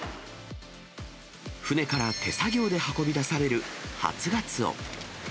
船から手作業で運び出される初ガツオ。